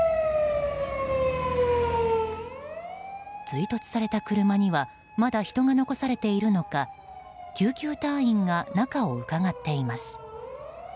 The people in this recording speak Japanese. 追突された車にはまだ人が残されているのか救急隊員が中をうかがっています。